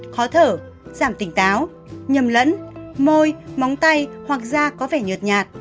khó thở giảm tỉnh táo nhầm lẫn môi móng tay hoặc da có vẻ nhượt nhạt